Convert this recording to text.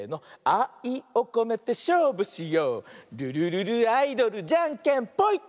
「あいをこめてしょうぶしよう」「ルルルルアイドルじゃんけんぽい！」